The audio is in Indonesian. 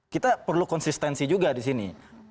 kita perlu konsistensi juga di sini